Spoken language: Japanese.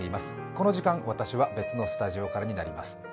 この時間、私は別のスタジオからになります。